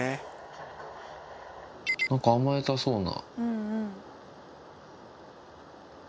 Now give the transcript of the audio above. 何か甘えたそうな。